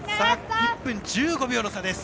１分１５秒の差です。